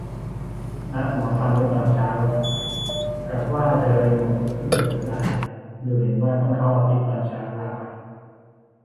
นัดหมอฟันไว้ตอนเช้า กับว่าจะรีโมท เพิ่งเปิดไลน์ดูเห็นว่าต้องเข้าออฟฟิศตอนเช้า ลาก่อย